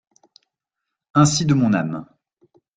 Ainsi de mon âme.